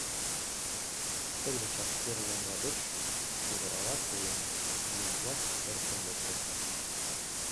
Тыгыде чашкер лоҥга гыч, ӱвырала койын, еҥ-влак эркын лектыт.